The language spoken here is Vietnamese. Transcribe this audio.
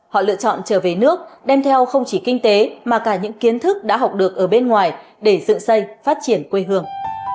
họ lựa chọn trở về nước đem theo không chỉ kinh tế mà cả những kiến thức đã học được ở bên ngoài để dự xây phát triển quê hương